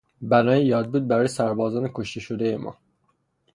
بنای یادبودی برای سربازان کشته شدهی ما